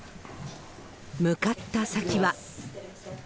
向かった先は。